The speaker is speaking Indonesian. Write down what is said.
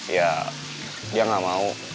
ya dia gak mau